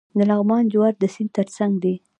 د لغمان جوار د سیند ترڅنګ دي.